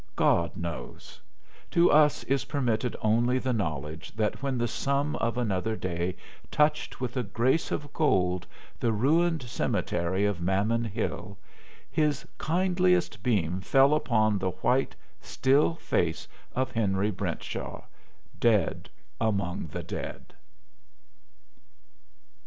God knows; to us is permitted only the knowledge that when the sun of another day touched with a grace of gold the ruined cemetery of Mammon Hill his kindliest beam fell upon the white, still face of Henry Brentshaw, dead among the dead.